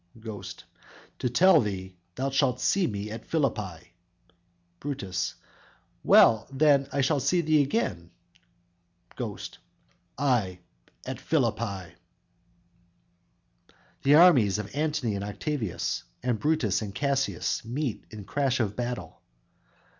_ Ghost: To tell thee thou shalt see me at Philippi. Brutus: Well, then I shall see thee again? Ghost: Ay, at Philippi!" The armies of Antony and Octavius and Brutus and Cassius meet in crash of battle.